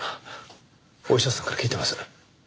お医者さんから聞いてます。